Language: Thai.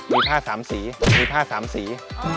มีผ้าสามสี